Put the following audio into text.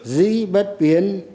dĩ bất biến